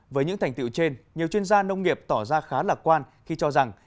với những thành tiệu trên nhiều chuyên gia nông nghiệp tỏ ra khá lạc quan khi cho rằng